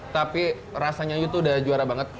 tapi rasanya itu udah juara banget